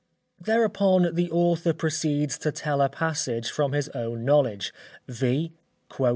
Thereupon the author proceeds to tell a passage from his own knowledge, viz.